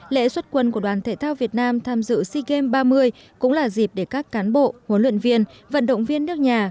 lễ xuất quân của đoàn thể thao việt nam tham dự sea games ba mươi cũng là dịp để các cán bộ huấn luyện viên vận động viên nước nhà